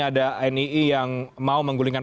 ada nii yang mau menggulingkan